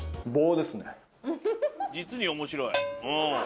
実に面白い。